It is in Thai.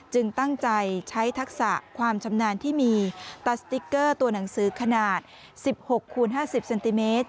ตั้งใจใช้ทักษะความชำนาญที่มีตัดสติ๊กเกอร์ตัวหนังสือขนาด๑๖คูณ๕๐เซนติเมตร